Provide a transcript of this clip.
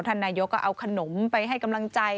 ท่านนายกก็เอาขนมไปให้กำลังใจ